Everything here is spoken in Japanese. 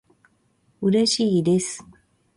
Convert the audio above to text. うれしいです